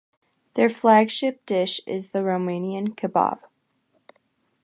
Their flagship dish is the Romanian kebab.